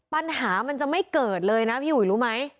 ปัญหามันจะไม่เกิดเลยนะพี่อุ๋ยรู้ไหม